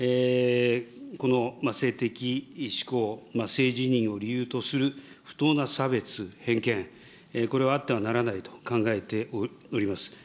この性的指向、性自認を理由とする不当な差別、偏見、これはあってはならないと考えております。